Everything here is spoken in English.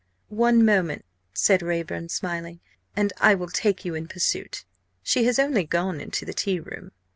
"One moment!" said Raeburn, smiling, "and I will take you in pursuit. She has only gone into the tea room."